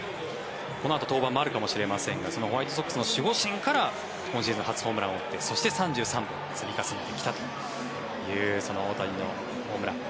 このあと登板もあるかもしれませんがそのホワイト・ソックスの守護神から今シーズン初ホームランを打ってそして３３本、積み重ねてきたというその大谷のホームラン。